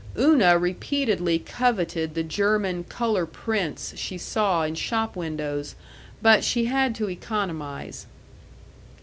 Una repeatedly coveted the German color prints she saw in shop windows, but she had to economize.